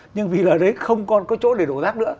nhưng vì ở đấy không còn có chỗ để đổ rác nữa